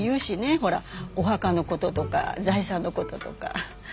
ほらお墓の事とか財産の事とか。